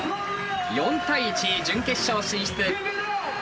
４対１準決勝進出。